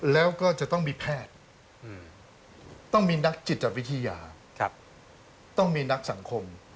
แล้วก็จะต้องมีแพทย์ต้องมีนักจิตวิทยาต้องมีนักสังคม